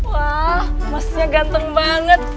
wah masnya ganteng banget